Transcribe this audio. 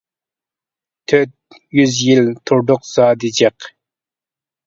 تۆت يۈز يىل تۇردۇق زادى، چىق!